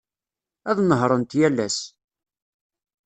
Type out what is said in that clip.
Ad nehhṛent yal ass.